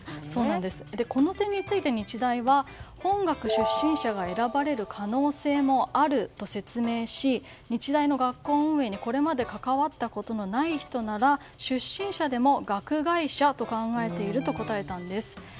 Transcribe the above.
この点について日大は本学出身者が選ばれる可能性もあると説明し日大の学校運営にこれまで関わったことがなければ出身者でも学外者と考えていると答えたんです。